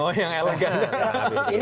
oh yang elegan